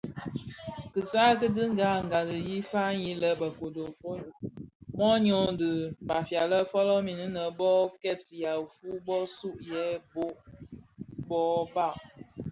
Kisam dhi kinga gbali I faňii lè Bekodo mōnyō di bafianè folomin nnë bö kpèya ifuu bō sug yè bhog bo dhad.